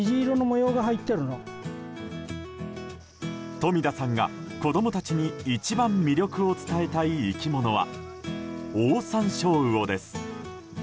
冨田さんが子供たちに一番魅力を伝えたい生き物はオオサンショウウオです。